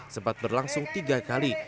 sempat berlangsung tiga kali